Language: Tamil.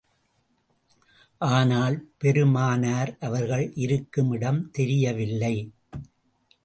ஆனால், பெருமானார் அவர்கள் இருக்கும் இடம் தெரியவில்லை.